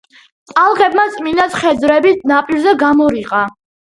ტალღებმა წმინდა ცხედრები ნაპირზე გამორიყა.